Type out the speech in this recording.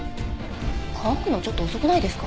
乾くのちょっと遅くないですか？